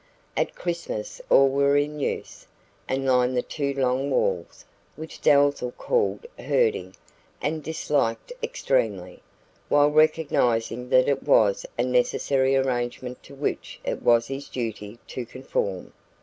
At Christmas all were in use, and lined the two long walls which Dalzell called "herding", and disliked extremely, while recognising that it was a necessary arrangement to which it was his duty to conform.